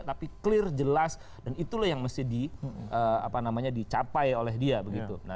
tapi clear jelas dan itulah yang mesti dicapai oleh dia begitu